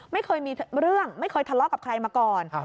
ไม่เคยมีเรื่องไม่เคยทะเลาะกับใครมาก่อน